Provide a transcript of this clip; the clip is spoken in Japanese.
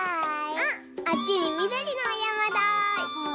あっあっちにみどりのおやまだ。